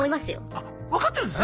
あ分かってるんですね？